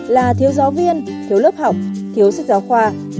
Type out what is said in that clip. là thiếu giáo viên thiếu lớp học thiếu sách giáo khoa